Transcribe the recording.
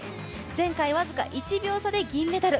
前回僅か１秒差で銀メダル。